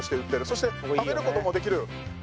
そして食べることもできる。